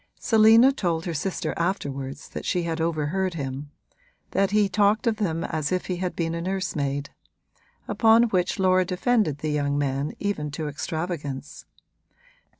Selina told her sister afterwards that she had overheard him that he talked of them as if he had been a nursemaid; upon which Laura defended the young man even to extravagance.